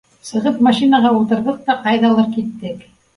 Сығып машинаға ултырҙыҡ та ҡайҙалыр киттек.